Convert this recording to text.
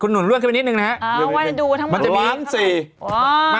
หนูล่วนขึ้นไปนิดนึงนะฮะมันจะมีมันออกมาล้าน๔